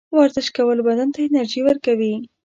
ورزش کول بدن ته انرژي ورکوي.